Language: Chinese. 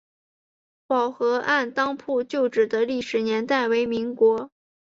宝和按当铺旧址的历史年代为民国。